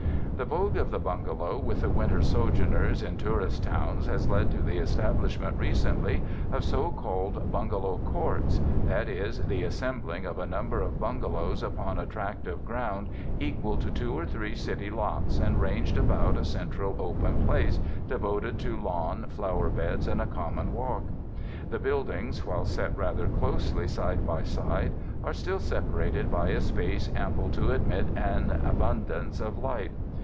The vogue of the bungalow with the winter so journers in tourist towns has led to the establish ment recently of so called ''bungalow courts" — that is, the assembling of a number of bungalows upon a tract of ground equal to two or three city lots and ranged about a central open space devoted to lawn, flower beds and a common walk. The buildings, while set rather closely side by side, are still sepa rated by a space ample to admit an abundance of light.